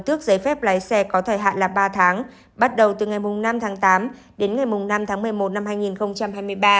tước giấy phép lái xe có thời hạn là ba tháng bắt đầu từ ngày năm tháng tám đến ngày năm tháng một mươi một năm hai nghìn hai mươi ba